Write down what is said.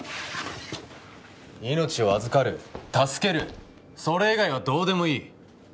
命を預かる助けるそれ以外はどうでもいい！